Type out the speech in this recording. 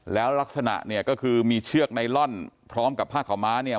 แล้วลักษณะเนี่ยก็คือมีเชือกไนลอนพร้อมกับผ้าขาวม้าเนี่ย